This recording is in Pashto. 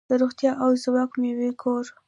د روغتیا او ځواک میوو کور.